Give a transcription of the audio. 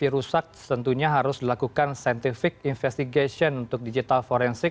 kalau tv rusak tentunya harus dilakukan scientific investigation untuk digital forensik